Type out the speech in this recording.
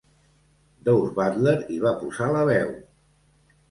Daws Butler hi va posar la veu.